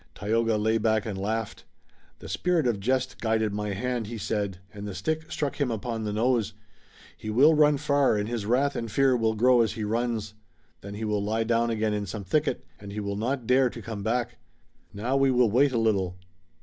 Tayoga lay back and laughed. "The Spirit of Jest guided my hand," he said, "and the stick struck him upon the nose. He will run far and his wrath and fear will grow as he runs. Then he will lie down again in some thicket, and he will not dare to come back. Now, we will wait a little."